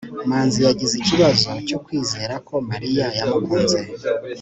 manzi yagize ikibazo cyo kwizera ko mariya yamukunze